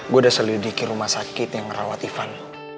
gue udah selidiki rumah sakit yang merawat ivan